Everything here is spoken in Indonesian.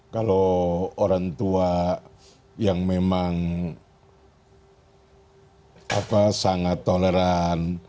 kalau orang tua yang memang sangat toleran